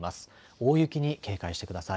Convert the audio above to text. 大雪に警戒してください。